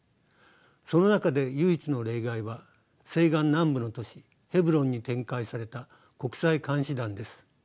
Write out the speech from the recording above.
その中で唯一の例外は西岸南部の都市ヘブロンに展開された国際監視団です。